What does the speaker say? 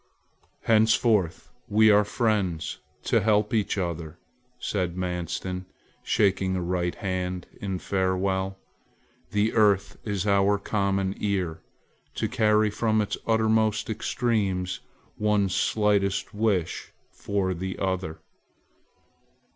"Henceforth we are friends, to help each other," said Manstin, shaking a right hand in farewell. "The earth is our common ear, to carry from its uttermost extremes one's slightest wish for the other!"